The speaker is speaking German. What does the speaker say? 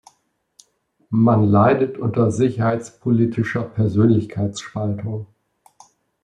Man leidet unter sicherheitspolitischer Persönlichkeitsspaltung.